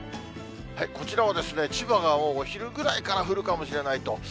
こちらはですね、千葉がお昼ぐらいから降るかもしれないと。